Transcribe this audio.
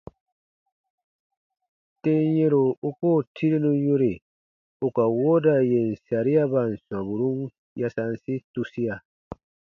Tem yɛ̃ro u koo tirenu yore ù ka wooda yèn sariaban sɔmburun yasansi tusia.